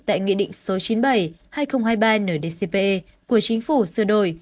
tại nghị định số chín mươi bảy hai nghìn hai mươi ba ndcp của chính phủ sửa đổi